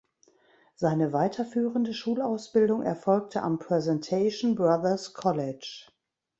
Seine weiterführende Schulausbildung erfolgte am „Presentation Brothers College“.